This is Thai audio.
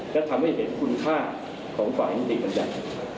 และทำให้เห็นคุณค่าของฝ่ายนิติบัญญัติ